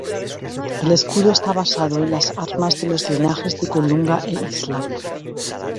El escudo está basado en las armas de los linajes de Colunga e Isla.